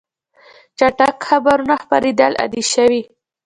چټک خبرونه خپرېدل عادي شوي.